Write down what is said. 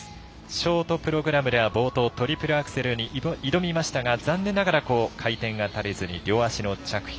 ショートプログラムでは冒頭トリプルアクセルに挑みましたが残念ながら回転が足りずに両足の着氷。